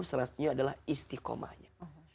salah satunya adalah istiqomahnya